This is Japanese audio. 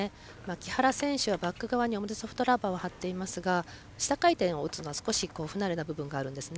木原選手はバック側に表ソフトラバーを貼っていますが下回転を打つのは不慣れな部分があるんですね